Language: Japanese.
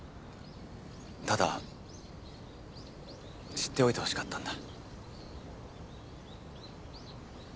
ただ知っておいて欲しかったんだ。